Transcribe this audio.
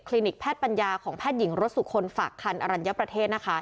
นิกแพทย์ปัญญาของแพทย์หญิงรสสุคนฝากคันอรัญญประเทศนะคะ